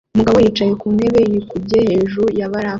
Umugabo yicaye ku ntebe yikubye hejuru ya barafu